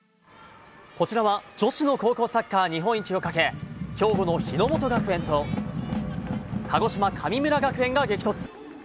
こちらは女子の高校サッカー日本一をかけ兵庫の日ノ本学園と鹿児島・神村学園が激突。